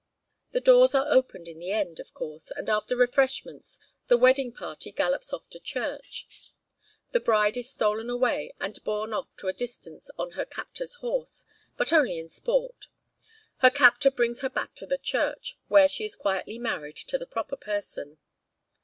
The doors are opened in the end, of course, and after refreshments the wedding party gallops off to church. The bride is stolen away and borne off to a distance on her captor's horse, but only in sport; her captor brings her back to the church, where she is quietly married to the proper person.